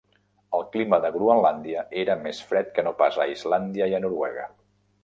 El clima de Groenlàndia era més fred que no pas a Islàndia i a Noruega.